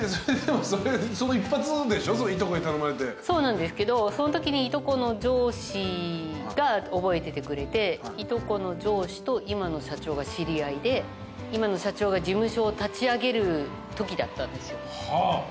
そうなんですけどそのときにいとこの上司が覚えててくれていとこの上司と今の社長が知り合いで今の社長が事務所を立ち上げるときだったんですよ。